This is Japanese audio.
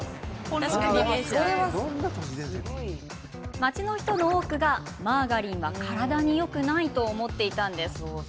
街の人の多くがマーガリンは体によくないと思っていたんです。